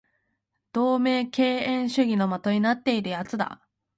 同盟敬遠主義の的になっている奴だ